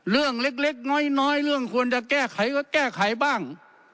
เรื่องเล็กน้อยเรื่องควรจะแก้ไขก็แก้ไขบ้าง